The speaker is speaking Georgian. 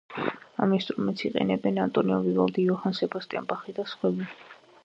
ამ ინსტრუმენტს იყენებდნენ: ანტონიო ვივალდი, იოჰან სებასტიან ბახი და სხვები.